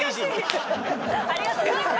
ありがとうございます。